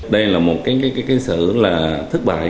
đây là một cái sự thất bại